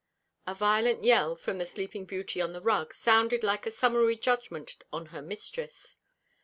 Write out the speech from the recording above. A violent yell from the sleeping Beauty on the rug sounded like a summary judgment on her mistress.